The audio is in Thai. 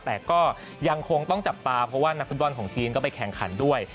แต่ก็ยังคงต้องจับตาเพราะว่านักฟุตบอลของจีนก็ไปแข่งขันด้วย